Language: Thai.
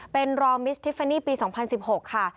เป็นรอมิสทิฟเฟนี่ปี๒๐๑๖ค่ะ